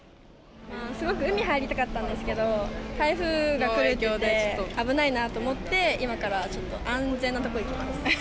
すごく海入りたかったんですけど、台風が来るということで危ないなと思って、今からちょっと安全なとこ行きます。